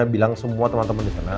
bilang semua teman teman disana